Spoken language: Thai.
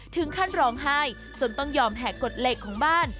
ถึงขั้นร้องไห้จนต้องยอมแห่กฎเหล็กของบ้าน